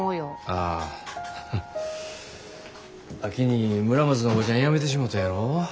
ああ秋に村松のおばちゃん辞めてしもたやろ。